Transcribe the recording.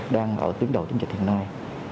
đang ở tuyến đầu chứng dịch hiện nay